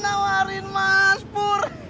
nawarin mas pur